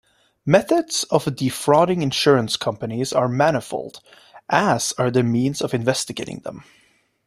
Methods of defrauding insurance companies are manifold, as are the means of investigating them.